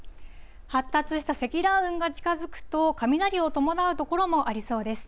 発達した積乱雲が近づくと、雷を伴う所もありそうです。